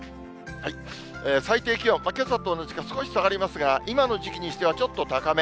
最低気温、けさと同じか少し下がりますが、今の時期にしてはちょっと高め。